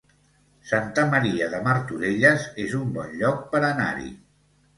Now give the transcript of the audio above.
Santa Maria de Martorelles es un bon lloc per anar-hi